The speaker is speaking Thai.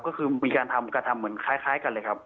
ก็คือมีการทำกระทำเหมือนคล้ายกันเลยครับ